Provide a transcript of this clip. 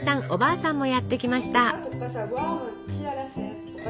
おばあさんもやって来ました。